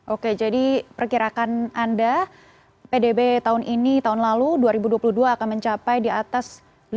oke jadi perkirakan anda pdb tahun ini tahun lalu dua ribu dua puluh dua akan mencapai di atas lima puluh